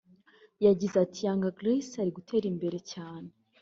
yagize ati “Young Grace ari gutera imbere cyane